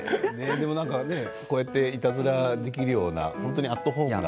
でもこうやっていたずらできるようなアットホームな。